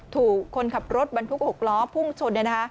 ถูกคนขับรถบรรทุก๖ล้อพุ่งชน